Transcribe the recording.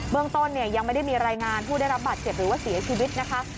เบื้องต้นยังไม่ได้มีรายงานผู้ได้รับบัตรเสียชีวิตนะคะ